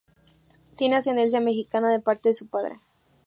Tiene ascendencia mexicana de parte su padre.